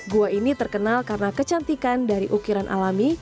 gua ini terkenal karena kecantikan dari ukiran alami